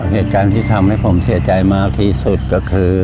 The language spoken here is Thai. เหตุการณ์ที่ทำให้ผมเสียใจมากที่สุดก็คือ